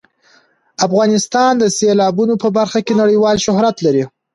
افغانستان د سیلابونه په برخه کې نړیوال شهرت لري.